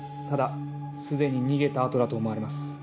ただ既に逃げた後だと思われます。